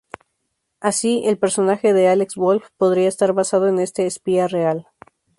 Así, el personaje de Alex Wolff podría estar basado en este espía real.